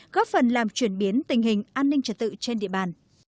góp phần làm chuyển biến tình hình an ninh trật tự trên địa bàn